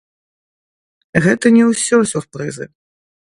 Гэта не ўсё сюрпрызы!